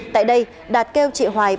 tại đây đạt kêu chị hoài